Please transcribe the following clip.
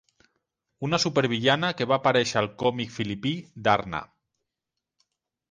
Una supervillana que va aparèixer al còmic filipí Darna.